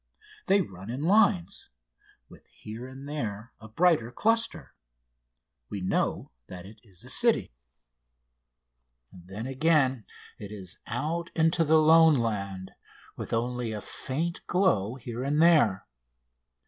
They run in lines, with here and there a brighter cluster. We know that it is a city. Then, again, it is out into the lone land, with only a faint glow here and there.